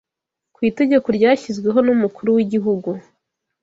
ku itegeko ryashyizweho n’umukuru w’igihugu